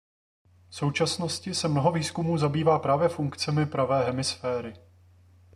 V současnosti se mnoho výzkumů zabývá právě funkcemi pravé hemisféry.